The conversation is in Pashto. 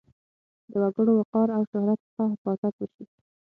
د وګړو وقار او شهرت څخه حفاظت وشي.